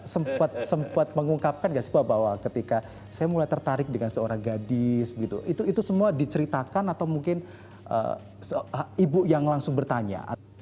sempat sempat mengungkapkan nggak sih pak bahwa ketika saya mulai tertarik dengan seorang gadis itu semua diceritakan atau mungkin ibu yang langsung bertanya